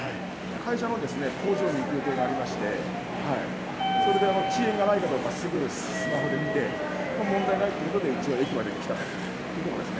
会社の工場に行く予定がありまして、それで遅延がないかどうかすぐスマホで見て、問題ないということで一応、駅まで来たというところですね。